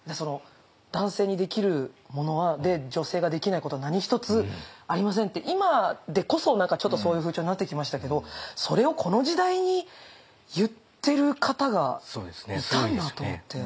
男性にできるもので女性ができないことは何一つありませんって今でこそちょっとそういう風潮になってきましたけどそれをこの時代に言ってる方がいたんだと思って。